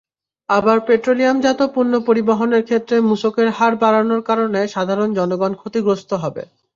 আবার পেট্রোলিয়ামজাত পণ্য পরিবহনের ক্ষেত্রে মূসকের হার বাড়ানোর কারণে সাধারণ জনগণ ক্ষতিগ্রস্ত হবে।